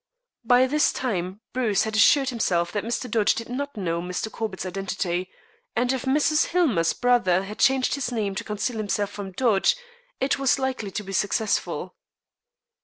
By this time Bruce had assured himself that Mr. Dodge did not know Mr. Corbett's identity, and if Mrs. Hillmer's brother had changed his name to conceal himself from Dodge, it was likely to be successful.